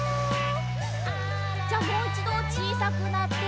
じゃあもういちどちいさくなって。